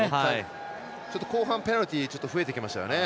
後半ペナルティ増えてきましたよね。